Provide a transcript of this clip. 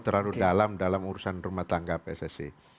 terlalu dalam dalam urusan rumah tangga pssi